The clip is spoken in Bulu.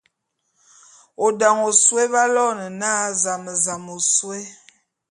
O dane ôsôé b'aloene na zam-zam ôsôé.